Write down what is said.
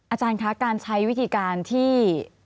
อาจารย์คะการใช้วิธีการที่